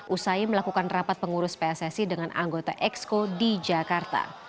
usai melakukan rapat pengurus pssi dengan anggota exco di jakarta